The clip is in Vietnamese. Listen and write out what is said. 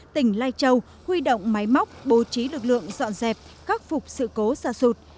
tỉnh lai châu huy động máy móc bố trí lực lượng dọn dẹp khắc phục sự cố xa sụt